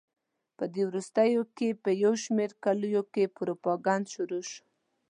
په دې وروستیو کې په یو شمېر کلیو کې پروپاګند شروع شوی.